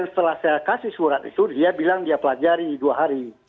setelah saya kasih surat itu dia bilang dia pelajari dua hari